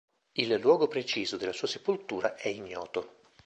Il luogo preciso della sua sepoltura è ignoto.